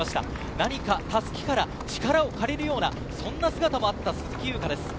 何か襷から力を借りるような姿もあった鈴木優花です。